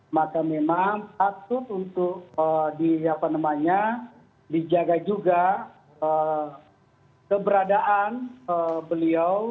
maka memang patut untuk dijaga juga keberadaan beliau